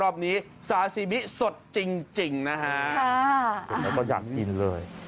สดสดสดสดสดสดสดส